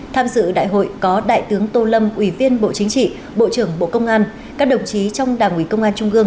tham dự đại hội có đại tướng tô lâm ủy viên bộ chính trị bộ trưởng bộ công an các đồng chí trong đảng ủy công an trung gương